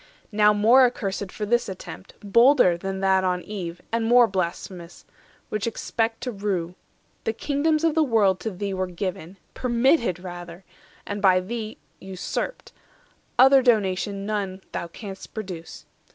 now more accursed For this attempt, bolder than that on Eve, 180 And more blasphemous; which expect to rue. The kingdoms of the world to thee were given! Permitted rather, and by thee usurped; Other donation none thou canst produce.